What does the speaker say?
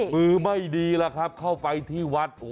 มือไม่ดีแล้วครับเข้าไปที่วัด